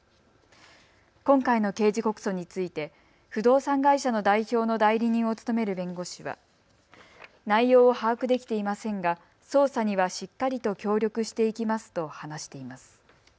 今回の刑事告訴について不動産会社の代表の代理人を務める弁護士は内容を把握できていませんが捜査にはしっかりと協力していきますと話しています。